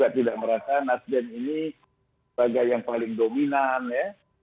tidak merasa nasdem ini sebagai yang paling dominan ya